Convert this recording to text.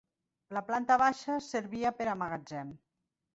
La planta baixa servia per a magatzem.